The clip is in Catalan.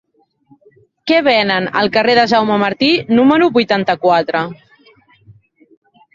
Què venen al carrer de Jaume Martí número vuitanta-quatre?